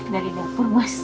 dari dapur mas